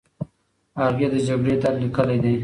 هغې د جګړې درد لیکلی دی.